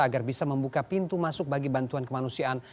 agar bisa membuka pintu masuk bagi bantuan kemanusiaan